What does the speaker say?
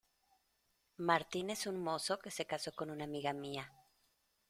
Martín es un mozo que se casó con una amiga mía.